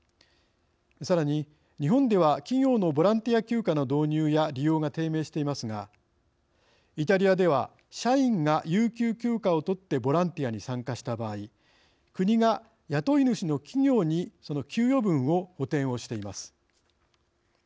さらに日本では企業のボランティア休暇の導入や利用が低迷していますがイタリアでは社員が有給休暇をとってボランティアに参加した場合国が雇い主の企業にその給与分を補填をしています。